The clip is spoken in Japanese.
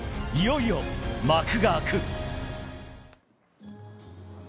いよいよ幕が開く。